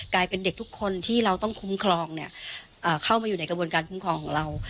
กลายเป็นเด็กทุกคนที่เราต้องคุ้มครองเข้ามาอยู่ในกระบวนการคุ้มครองของเรา